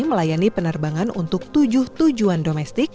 melayani penerbangan untuk tujuh tujuan domestik